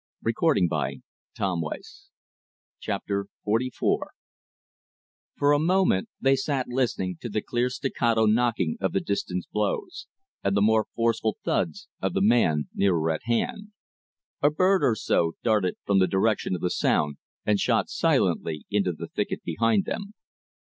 THE FOLLOWING OF THE TRAIL Chapter XLIV For a moment they sat listening to the clear staccato knocking of the distant blows, and the more forceful thuds of the man nearer at hand. A bird or so darted from the direction of the sound and shot silently into the thicket behind them.